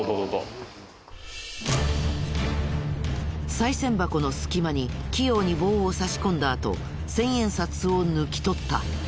さい銭箱の隙間に器用に棒を差し込んだあと１０００円札を抜き取った。